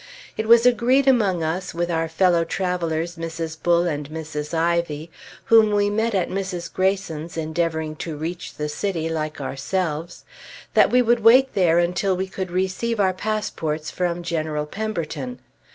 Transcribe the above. It was agreed among us, with our fellow travelers, Mrs. Bull and Mrs. Ivy, whom we met at Mrs. Greyson's, endeavoring to reach the city like ourselves, that we would wait there until we could receive our passports from General Pemberton.